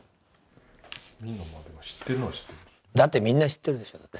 だってみんな知ってるでしょ。